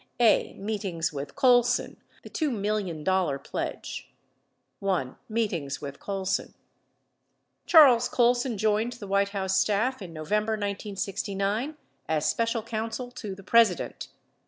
A. Meetings With Colson — the $2 Million Pledge 1. MEETINGS WITH COLSON Charles Colson joined the White House staff in November 1969 as Special Counsel to the President.